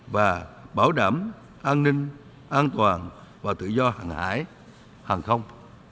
và bảo đảm an ninh an toàn và tự do hàng hải hàng không